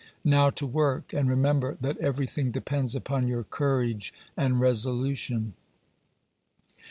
Now, to work, and remember that everything depends upon your courage and resolution."